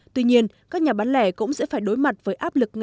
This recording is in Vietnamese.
tuy nhiên các nhà bán lẻ cũng sẽ phải đối mặt với áp lực